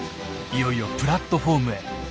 いよいよプラットホームへ。